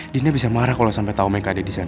dina bisa marah kalo sampe tau mereka ada disana